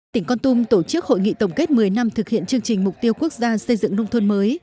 tỉnh con tum tổ chức hội nghị tổng kết một mươi năm thực hiện chương trình mục tiêu quốc gia xây dựng nông thôn mới